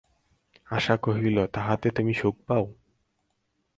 আশা কহিল, তাহাতে তুমি সুখ পাও?